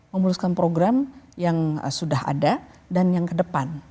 memuluskan program yang sudah ada dan yang ke depan